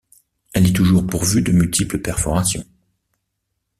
Elle est toujours pourvue de multiples perforations.